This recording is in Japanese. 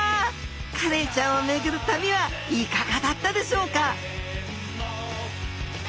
カレイちゃんを巡る旅はいかがだったでしょうか？